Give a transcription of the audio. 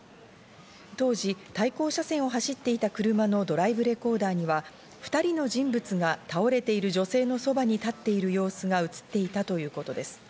当時、対向車線を走っていた車のドライブレコーダーには２人の人物が倒れている女性の側に立っている様子が映っていたということです。